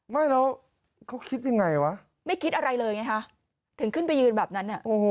ไม่แล้วเขาคิดยังไงวะไม่คิดอะไรเลยไงฮะถึงขึ้นไปยืนแบบนั้น